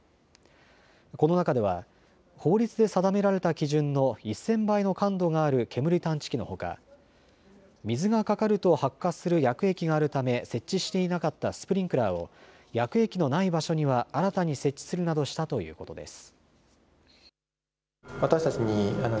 この中では、法律で定められた基準の１０００倍の感度がある煙探知機のほか水がかかると発火する薬液があるため設置していなかったスプリンクラーを薬液のない場所には新たに設置するなどしたということです。